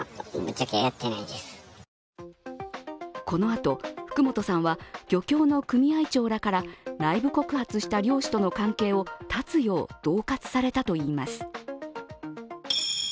このあと福本さんは漁協の組合長らから内部告発した漁師との関係を絶つようどう喝されたといいます。